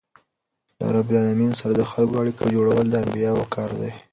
له رب العالمین سره د خلکو اړیکه جوړول د انبياوو کار دئ.